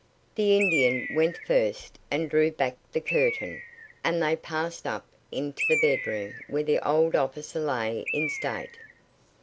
The Indian went first and drew back the curtain, and they passed up into the bedroom, where the old officer lay in state.